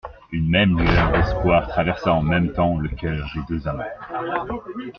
Une même lueur d'espoir traversa en même temps le coeur des deux amants.